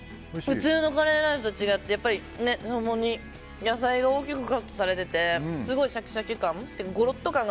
普通のカレーライスと違って野菜が大きくカットされててすごいシャキシャキ感？